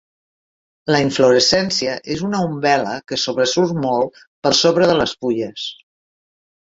La inflorescència és una umbel·la que sobresurt molt per sobre de les fulles.